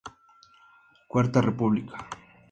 Cuarta República